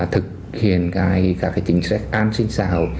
thực hiện các chính sách an sinh xã hội